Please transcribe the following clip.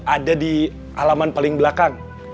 ada di halaman paling belakang